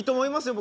僕。